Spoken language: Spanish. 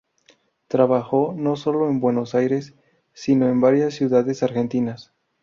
Trabajó no sólo en Buenos Aires, sino en varias ciudades argentinas.